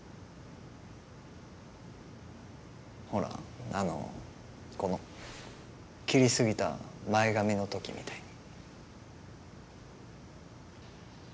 ほらあのこの切りすぎた前髪の時みたいに。